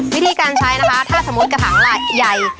วิธีการใช้นะคะถ้าสมมุติกระถางใหญ่